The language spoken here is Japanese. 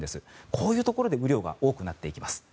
こういうところで雨量が多くなっていきます。